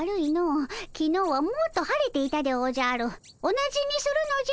同じにするのじゃ。